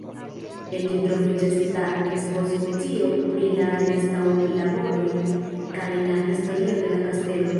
En ĝi troviĝas ta ekspozicio pri la restaŭradlaboroj kaj la historio de la kastelo.